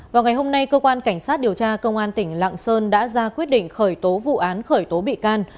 vào ngày hôm nay cơ quan cảnh sát điều tra công an tỉnh lạng sơn đã ra quyết định khởi tố vụ án khởi tố bị can